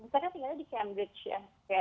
saya tinggal di cambridge ya